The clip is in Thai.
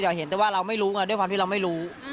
อยากเห็นแต่ว่าเราไม่รู้ไงด้วยความที่เราไม่รู้